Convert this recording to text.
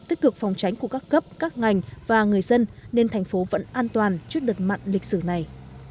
tích cực phòng tránh của các cấp các ngành và người dân nên thành phố vẫn an toàn trước đợt mặn lịch sử này